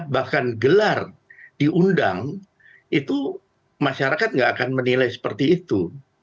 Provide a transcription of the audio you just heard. bahkan gelar diundang itu masyarakat tidak akan menilai seperti itu